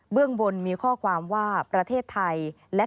เรื่องบนมีข้อความว่าประเทศไทยและ